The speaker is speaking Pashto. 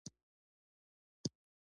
د نیلوفر ګل د خوب لپاره وکاروئ